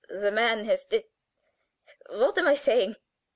"The man has dis What am I saying?